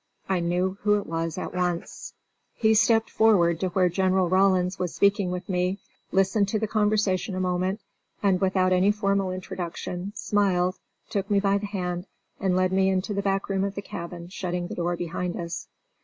I knew who it was at once. He stepped forward to where General Rawlins was speaking with me, listened to the conversation a moment, and without any formal introduction, smiled, took me by the hand and led me into the back room of the cabin shutting the door behind us.